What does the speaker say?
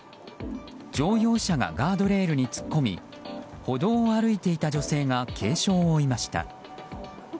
乗用車がガードレールに突っ込み歩道を歩いていた女性が軽傷を負いました。